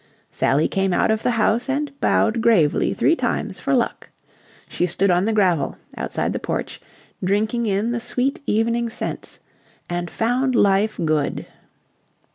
Sally came out of the house and bowed gravely three times for luck. She stood on the gravel, outside the porch, drinking in the sweet evening scents, and found life good.